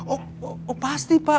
oh pasti pak